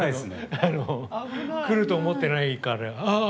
来ると思ってないからああ！